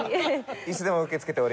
いつでも受け付けております。